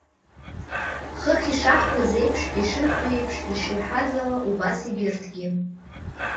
Хыхь ишаҳҳәаз еиԥш, ишыжәбо еиԥш, ишиаҳаз ала, убас егьырҭгьы…